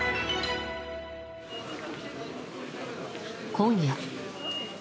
今夜。